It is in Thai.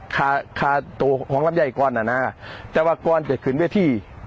คาตัวของลำไยก่อนน่ะนะแต่ว่าก่อนจะขึ้นเวที